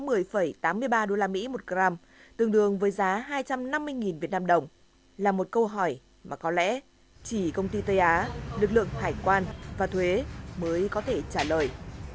tám mươi ba usd một gram tương đương với giá hai trăm năm mươi việt nam đồng là một câu hỏi mà có lẽ chỉ công ty tây á lực lượng hải quan và thuế mới có thể trả lời